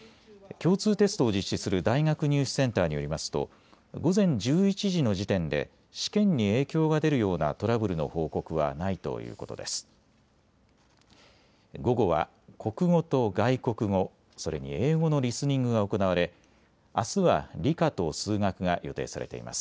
共通テストを実施する大学入試センターによりますと午前１１時の時点で試験に影響が出るようなトラブルの報告はないということです。